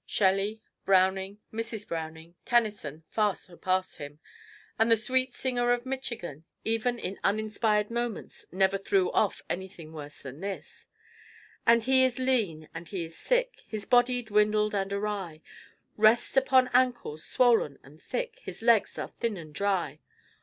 Shelley, Browning, Mrs. Browning, Tennyson, far surpass him; and the sweet singer of Michigan, even in uninspired moments, never "threw off" anything worse than this: "And he is lean and he is sick: His body, dwindled and awry, Rests upon ankles swollen and thick; His legs are thin and dry.